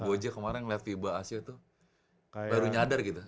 gue aja kemarin ngeliat fiba asia tuh baru nyadar gitu